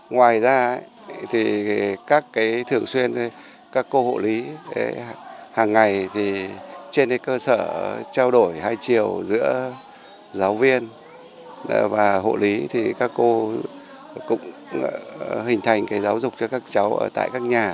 ngoài ra thì các thường xuyên các cô hộ lý hàng ngày trên cơ sở trao đổi hai chiều giữa giáo viên và hộ lý thì các cô cũng hình thành giáo dục cho các cháu ở tại các nhà